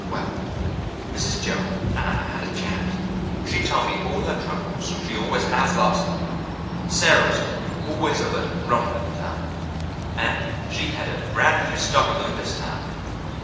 Well, Mrs. Joel and I had a chat. She told me all her troubles—she always has lots of them. Sarah was always of a grumbling turn, and she had a brand new stock of them this time.